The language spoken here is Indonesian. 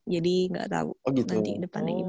jadi gak tau nanti depannya gimana